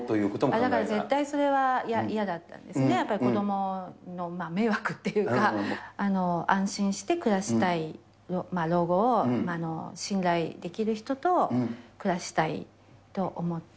だから絶対それは嫌だったんですね、やっぱり子どもの迷惑っていうか、安心して暮らしたい、老後を信頼できる人と暮らしたいと思って。